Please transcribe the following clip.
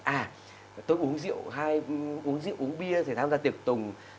à tôi uống rượu hay uống bia để tham gia tiệc tùng